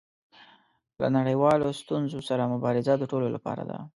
له نړیوالو ستونزو سره مبارزه د ټولو لپاره ده.